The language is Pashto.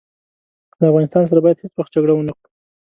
له افغانستان سره باید هیڅ وخت جګړه ونه کړو.